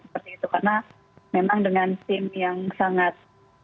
seperti itu karena memang dengan tim yang sangat